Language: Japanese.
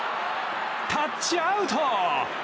タッチアウト！